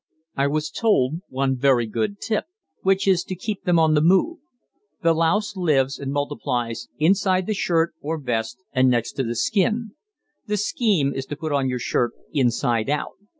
I was told one very good tip, which is to "keep them on the move." The louse lives and multiplies inside the shirt or vest and next the skin. The scheme is to put on your shirt inside out.